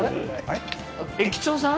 駅長さん？